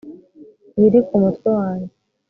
biri ku mutwe wanjye